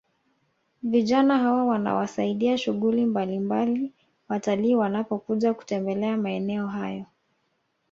Vijana hawa wanawasaidia shughuli mbalimbali watalii wanapokuja kutembelea maeneo hayo